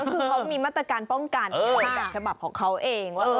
คือเขามีมาตรการป้องกันแบบฉบับของเขาเองว่า